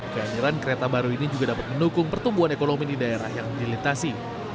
kehadiran kereta baru ini juga dapat mendukung pertumbuhan ekonomi di daerah yang dilintasi